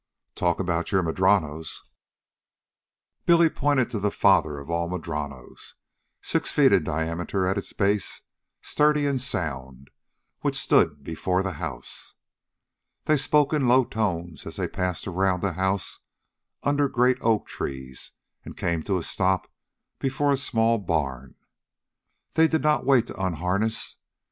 "Talk about your madronos " Billy pointed to the father of all madronos, six feet in diameter at its base, sturdy and sound, which stood before the house. They spoke in low tones as they passed around the house under great oak trees and came to a stop before a small barn. They did not wait to unharness.